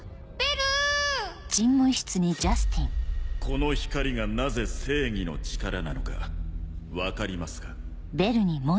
この光がなぜ正義の力なのか分かりますか？